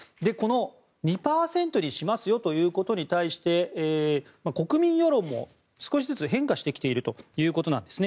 この２％にしますよということに対して国民世論も少しずつ変化してきていると。